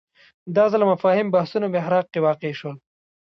دا ځل مفاهیم بحثونو محراق کې واقع شول